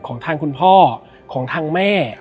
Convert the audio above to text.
ของทางคุณพ่อของทางแม่